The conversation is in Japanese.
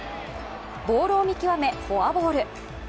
ボールを見極めフォアボール。